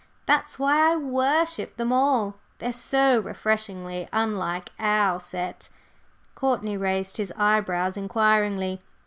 That's why I worship them all. They are so refreshingly unlike our set!" Courtney raised his eyebrows inquiringly.